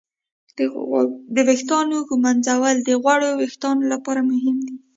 د ویښتانو ږمنځول د غوړو وېښتانو لپاره مهم دي.